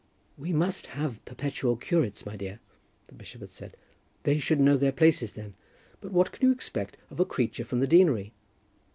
"We must have perpetual curates, my dear," the bishop had said. "They should know their places then. But what can you expect of a creature from the deanery?